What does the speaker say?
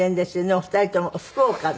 お二人とも福岡の。